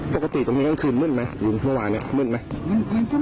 ปกติตรงนี้กลางคืนมืดไหมคืนเมื่อวานเนี้ยมืดไหม